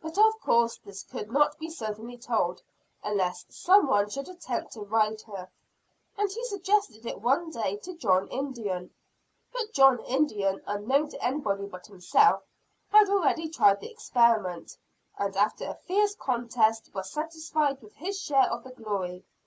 But of course this could not be certainly told, unless some one should attempt to ride her; and he suggested it one day to John Indian. But John Indian unknown to anybody but himself had already tried the experiment; and after a fierce contest, was satisfied with his share of the glory.